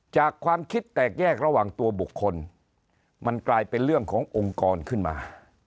ความคิดแตกแยกระหว่างตัวบุคคลมันกลายเป็นเรื่องขององค์กรขึ้นมา